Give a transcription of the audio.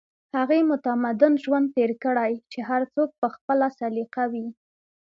هغې متمدن ژوند تېر کړی چې هر څوک په خپله سليقه وي